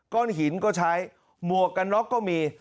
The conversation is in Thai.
ก้อนหินก็ใช้หมวกกันน็อกก็มี